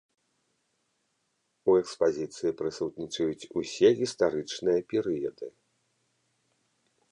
У экспазіцыі прысутнічаюць усе гістарычныя перыяды.